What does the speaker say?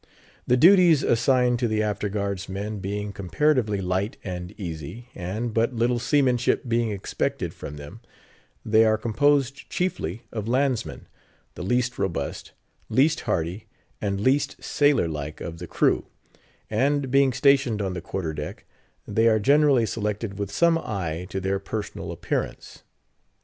The duties assigned to the After Guard's Men being comparatively light and easy, and but little seamanship being expected from them, they are composed chiefly of landsmen; the least robust, least hardy, and least sailor like of the crew; and being stationed on the Quarter deck, they are generally selected with some eye to their personal appearance.